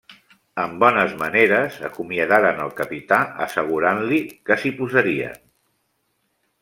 Amb bones maneres acomiadaren al capità, assegurant-li que s'hi posarien.